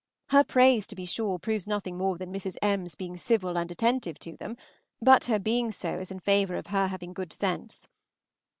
Her praise, to be sure, proves nothing more than Mrs. M.'s being civil and attentive to them, but her being so is in favor of her having good sense.